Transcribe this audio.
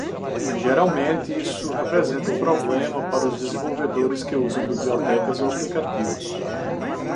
Geralmente, isso representa um problema para os desenvolvedores que usam bibliotecas ou aplicativos.